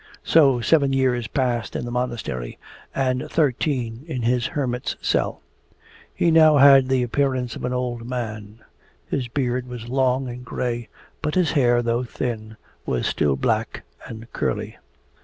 So seven years passed in the Monastery and thirteen in his hermit's cell. He now had the appearance of an old man: his beard was long and grey, but his hair, though thin, was still black and curly.